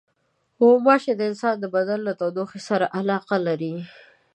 غوماشې د انسان د بدن له تودوخې سره علاقه لري.